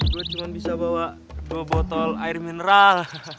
gue cuma bisa bawa dua botol air mineral